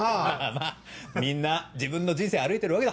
まぁみんな自分の人生歩いてるわけだ。